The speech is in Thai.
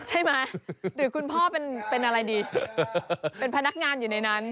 หรือคุณพ่อเป็นอะไรดีเป็นพนักงานอยู่ในนั้น